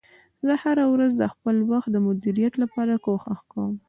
زه هره ورځ د خپل وخت د مدیریت لپاره کوښښ کوم